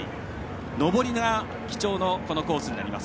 上りが基調のコースになります。